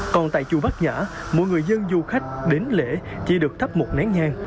còn tại chùa bắc nhã mỗi người dân du khách đến lễ chỉ được thắp một nén nhang